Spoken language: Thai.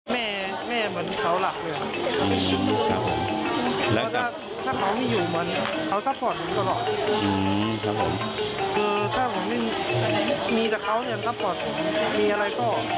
ไม่รอดแต่ว่าลูกเรารอดก็คือเสียใจ